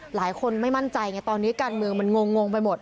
หลายคนไม่มั่นใจไงตอนนี้การเมืองมันงงไปหมด